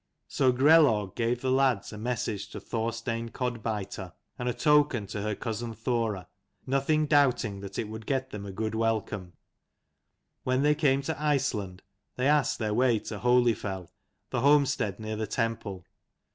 So Grelaug gave the lads a message to Thorstein Codbiter and a token to her cousin Thora, nothing doubting that it would get them a good welcome. When they came to Iceland they asked their way to Holyfell, the homestead near the temple.